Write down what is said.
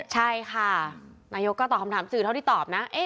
ใช่ค่ะนายกก็ตอบคำถามสื่อเท่าที่ตอบนะ